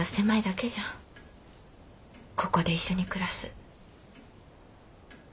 ここで一緒に暮らす。